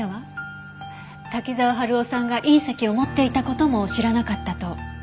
滝沢春夫さんが隕石を持っていた事も知らなかったと。